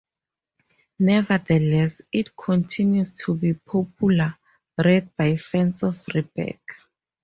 Nevertheless, it continues to be popularly read by fans of "Rebecca".